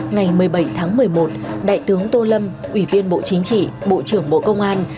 ngày một mươi bảy tháng một mươi một đại tướng tô lâm ủy viên bộ chính trị bộ trưởng bộ công an